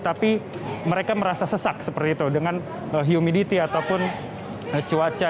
tapi mereka merasa sesak seperti itu dengan humidity ataupun cuaca